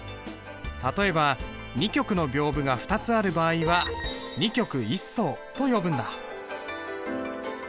例えば二曲の屏風が２つある場合は二曲一双と呼ぶんだ。